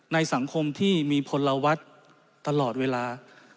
ในสังคมที่มีพลวัตรตลอดเวลา